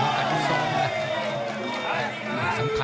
มันโดนแต่มันไม่ยุดนะ